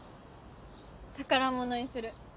宝物にする。